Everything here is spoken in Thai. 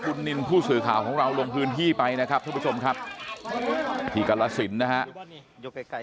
คุณนินผู้สื่อข่าวของเราลงพื้นที่ไปนะครับทุกผู้ชมครับที่กรสินนะครับ